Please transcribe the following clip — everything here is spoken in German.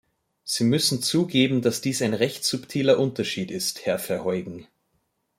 Sie müssen zugeben, dass dies ein recht subtiler Unterschied ist, Herr Verheugen.